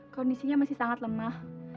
kondisinya masih sangat lemah